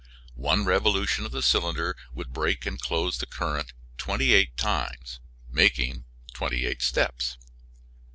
One revolution of the cylinder would break and close the current twenty eight times, making twenty eight steps.